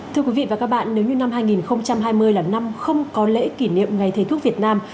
thưa quý vị và các bạn nếu như năm hai nghìn hai mươi là năm không có lễ kỷ niệm ngày thầy thuốc việt nam